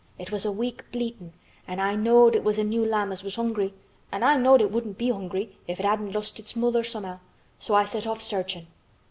It was a weak bleatin' an' I knowed it was a new lamb as was hungry an' I knowed it wouldn't be hungry if it hadn't lost its mother somehow, so I set off searchin'.